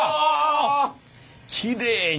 きれいに。